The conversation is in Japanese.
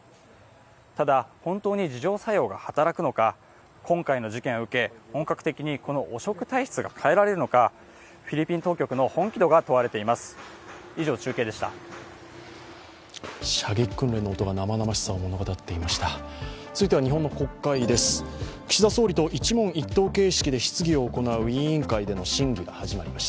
ただ、本当に自浄作用が働くのか今回の事件を受け、本格的にこの汚職体質が変えられるのか、フィリピン当局の本気度が問われています。